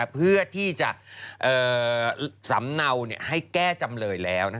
เพื่อที่จะสำเนาให้แก้จำเลยแล้ว